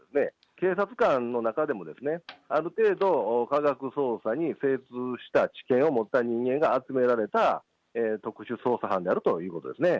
警察官の中でもある程度科学捜査に精通した知見を持った人間が集められた特殊捜査班であるということですね。